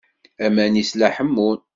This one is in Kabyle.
Aman-is la ḥemmun.